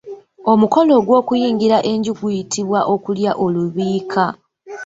Omukolo ogw'okuyingira enju guyitibwa okulya olubiika.